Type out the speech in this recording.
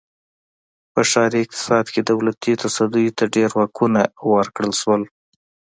په ښاري اقتصاد کې دولتي تصدیو ته ډېر واکونه ورکړل شول.